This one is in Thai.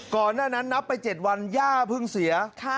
ก่อนหน้านั้นนับไป๗วันย่าเพิ่งเสีย